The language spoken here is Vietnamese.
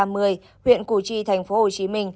huyện củ chi tp hcm